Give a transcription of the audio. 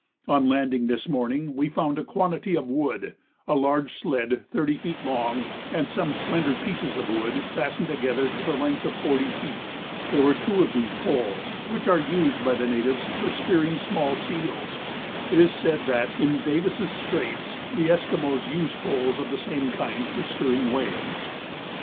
On landing this morning we found a quantity of wood, a large sledge 30 feet long, and some slender pieces of wood fastened together to the length of 40 feet. There were two of these poles, which are used by the natives for spearing small seals. It is said that, in Davis' Straits, the Esquimaux use poles of the same kind for spearing whales.